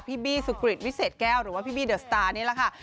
พี่บี้สุกริตวิเศษแก้วหรือว่าพี่บี้เดอร์สตาร์นี่แหละค่ะ